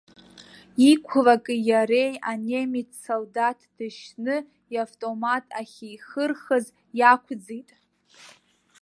Иқәлаки иареи анемец солдаҭ дышьны иавтомат ахьихырхыз иақәӡит.